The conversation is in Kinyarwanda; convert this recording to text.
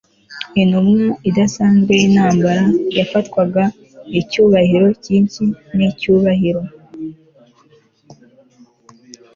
intumwa idasanzwe y'intambara, yafatwaga icyubahiro cyinshi n'icyubahiro